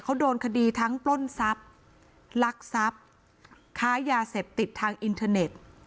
เขาโดนคดีทั้งปล้นทรัพย์ลักทรัพย์ค้ายาเสพติดทางอินเทอร์เน็ต